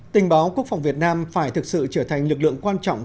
tình báo quốc phòng việt nam phải thực sự trở thành lực lượng quan trọng